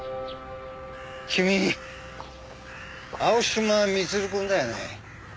君青嶋光留くんだよね？